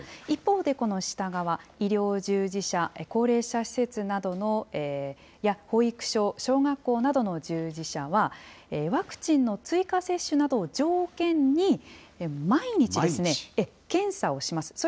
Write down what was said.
一方で、この下側、医療従事者、高齢者施設などや保育所、小学校などの従事者は、ワクチンの追加接種などを条件に、毎日、検査をします。